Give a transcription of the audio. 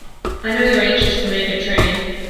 I know you're anxious to make a train.